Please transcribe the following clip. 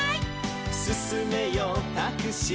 「すすめよタクシー」